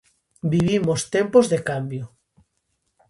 Vivimos tempos de cambio.